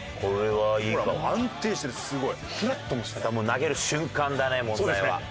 投げる瞬間だね問題は。